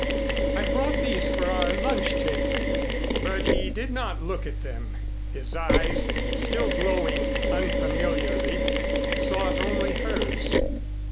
"I've brought these for our lunch table." But he did not look at them. His eyes, still glowing unfamiliarly, sought only hers.